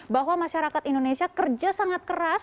bahwa masyarakat indonesia kerja sangat keras